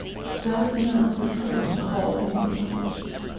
Does not the sun call in his light?